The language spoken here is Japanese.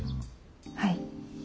はい。